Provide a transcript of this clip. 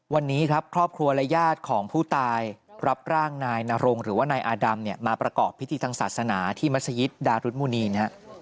วันนี้ครับครอบครัวและญาติของผู้ตายรับร่างนายนรงหรือว่านายอาดำเนี่ยมาประกอบพิธีทางศาสนาที่มัศยิตดารุธมุณีน